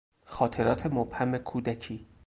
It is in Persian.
خاطرات مبهم کودکی